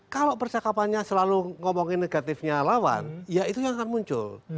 kalau percakapannya selalu ngomongin negatifnya lawan ya itu yang akan muncul